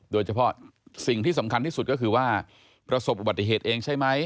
โดยเฉพาะสิ่งที่สำคัญที่สุดก็คือว่าประสบอุบัติเหตุเองใช่ไหม